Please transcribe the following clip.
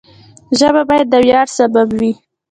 ژبه باید د ویاړ سبب وي.